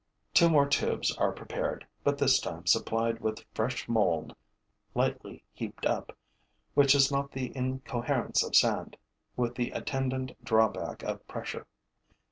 Two more tubes are prepared, but this time supplied with fresh mould, lightly heaped up, which has not the incoherence of sand, with the attendant drawback of pressure.